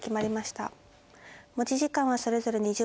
持ち時間はそれぞれ２０分。